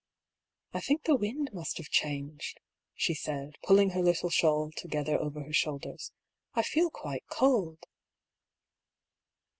''I think the wind must have changed," she said,* pulling her little shawl together over her shoulders ;" I feel quite cold."